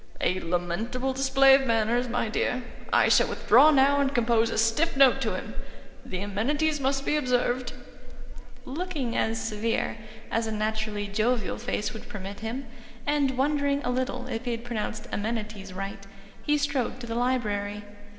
"A lamentable display of manners, my dear. I shall withdraw now and compose a stiff note to him. The amenities must be observed." Looking as severe as a naturally jovial face would permit him, and wondering a little if he had pronounced "amenities" right, he strode to the library.